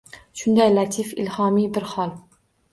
Shunday latif ilhomiy bir hol.